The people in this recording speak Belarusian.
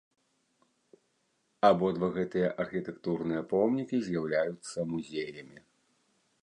Абодва гэтыя архітэктурныя помнікі з'яўляюцца музеямі.